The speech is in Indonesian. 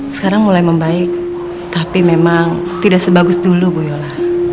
sekarang mulai membaik tapi memang tidak sebagus dulu guyola